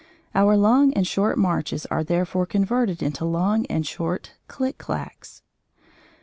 Our long and short marches are therefore converted into long and short "click clacks."